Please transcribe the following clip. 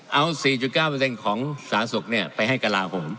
เอา๔๙เปอร์เซ็นต์ของสาธารณสุขเนี่ยไปให้กระลาโหม